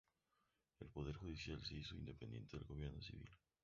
El poder judicial se hizo independiente del gobierno civil.